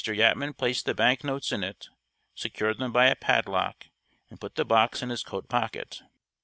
Yatman placed the bank notes in it, secured them by a padlock, and put the box in his coat pocket.